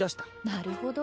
なるほど。